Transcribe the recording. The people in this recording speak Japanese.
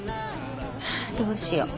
どうしよう？